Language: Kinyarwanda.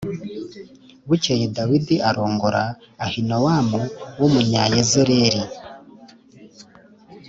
Bukeye Dawidi arongora Ahinowamu w’Umunyayezerēli